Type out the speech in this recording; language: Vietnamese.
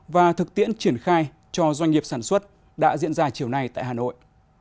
và thực tiễn triển khai cho doanh nghiệp sản xuất đã diễn ra chiều nay tại hà nội